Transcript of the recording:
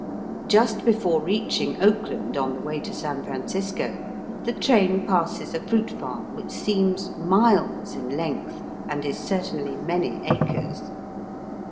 Just before reaching Oakland, on the way to San Francisco, the train passes a fruit farm which seems miles in length, and is certainly many acres.